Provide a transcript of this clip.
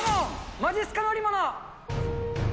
まじっすか乗り物。